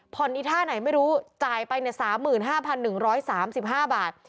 อีท่าไหนไม่รู้จ่ายไป๓๕๑๓๕บาท